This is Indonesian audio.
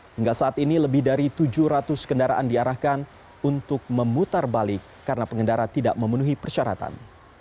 hingga saat ini lebih dari tujuh ratus kendaraan diarahkan untuk memutar balik karena pengendara tidak memenuhi persyaratan